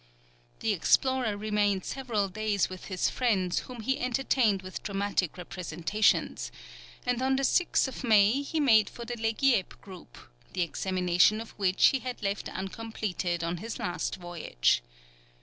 The explorer remained several days with his friends, whom he entertained with dramatic representations; and on the 6th May he made for the Legiep group, the examination of which he had left uncompleted on his last voyage.